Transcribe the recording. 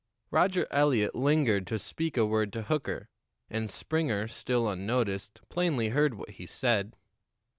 Roger Eliot lingered to speak a word to Hooker, and Springer, still unnoticed, plainly heard what he said.